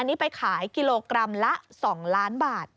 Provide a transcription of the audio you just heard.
อันนี้ไปขายกิโลกรัมละ๒ล้านบาท